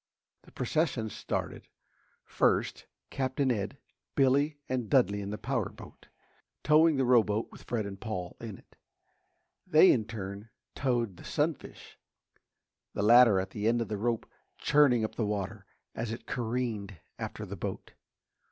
The procession started: first, Captain Ed, Billy and Dudley in the power boat, towing the rowboat with Fred and Paul in it. They in turn towed the sunfish, the latter at the end of the rope churning up the water as it careened after the boat.